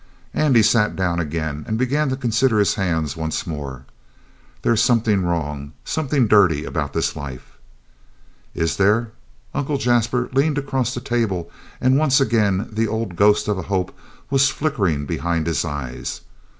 Andy sat down again, and began to consider his hands once more. "There's something wrong something dirty about this life." "Is there?" Uncle Jasper leaned across the table, and once again the old ghost of a hope was flickering behind his eyes.